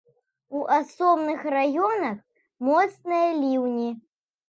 У асобных раёнах моцныя ліўні.